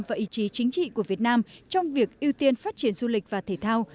và ý chí chính trị của việt nam trong việc ưu tiên phát triển du lịch và thể thao